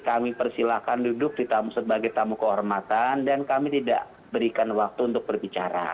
kami persilahkan duduk di tamu sebagai tamu kehormatan dan kami tidak berikan waktu untuk berbicara